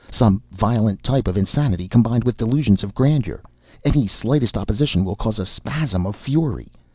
"Some violent type of insanity, combined with delusions of grandeur. Any slightest opposition will cause a spasm of fury.